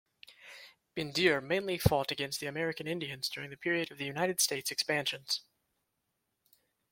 Bendire mainly fought against American Indians during the periods of the United States' expansions.